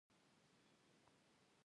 چین په اصلاحاتو بریالی شو.